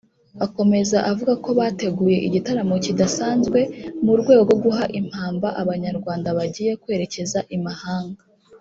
Akomeza avuga ko bateguye igitaramo kidasanzwe mu rwego rwo guha impamba Abanyarwanda bagiye kwerekeza i Mahanga